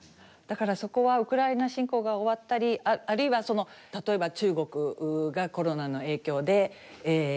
だからそこはウクライナ侵攻が終わったりあるいは例えば中国がコロナの影響で消費が落ちている。